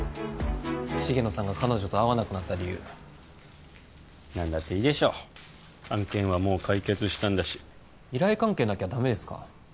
重野さんが彼女と会わなくなった理由何だっていいでしょ案件はもう解決したんだし依頼関係なきゃダメですか？